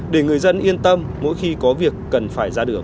để người dân yên tâm mỗi khi có việc cần phải ra đường